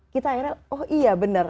kita akhirnya oh iya benar